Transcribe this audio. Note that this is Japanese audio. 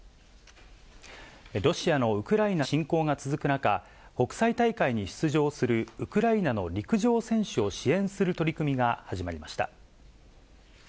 ロシアのウクライナ侵攻が続く中、国際大会に出場するウクライナの陸上選手を支援する取り組みが始まりました。